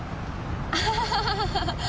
アハハハハッ。